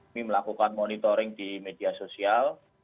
ini melakukan monitoring di media sosial